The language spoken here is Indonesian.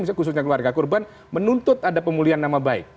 misalnya khususnya keluarga korban menuntut ada pemulihan nama baik